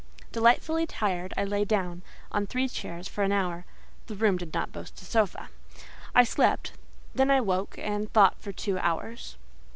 Delightfully tired, I lay down, on three chairs for an hour (the room did not boast a sofa). I slept, then I woke and thought for two hours.